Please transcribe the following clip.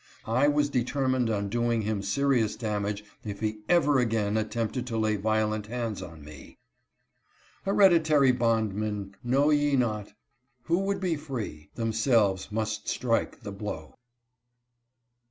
I was deter mined on doing him serious damage if he ever again attempted to lay violent hands on me. ' 'Hereditary bondmen, know ye not Who would be free, themselves must strike the blow